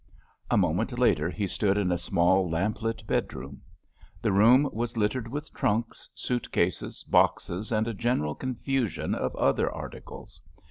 A moment later he stood in a small lamp lit bedroom. The room was littered with trunks, suit cases, boxes and a general confusion of other articles.